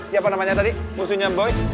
siapa namanya tadi musuhnya boy